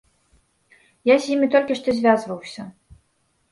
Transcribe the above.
Я з імі толькі што звязваўся.